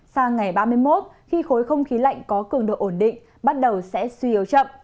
sang ngày ba mươi một khi khối không khí lạnh có cường độ ổn định bắt đầu sẽ suy yếu chậm